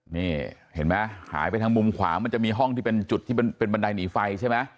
นี่เห็นไหมหายไปทางมุมขวามันจะมีห้องที่เป็นจุดที่เป็นบันไดหนีไฟใช่ไหม